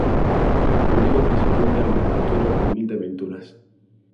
Cultiva principalmente la literatura juvenil de aventuras.